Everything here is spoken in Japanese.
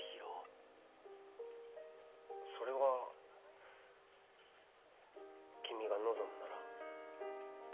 それは君が望むなら。